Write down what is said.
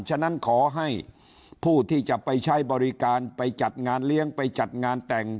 ฉะนั้นขอให้ผู้ที่จะไปใช้บริการไปจัดงานเลี้ยงไปจัดงานแต่ง